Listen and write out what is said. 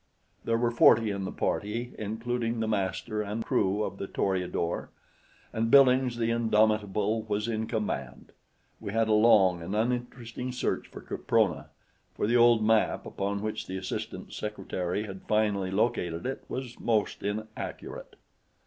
There were forty in the party, including the master and crew of the Toreador; and Billings the indomitable was in command. We had a long and uninteresting search for Caprona, for the old map upon which the assistant secretary had finally located it was most inaccurate.